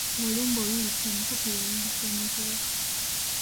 Olumbe olulitta omukopi, lwe lulitta ne Kabaka.